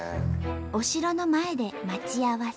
お城の前で待ち合わせ。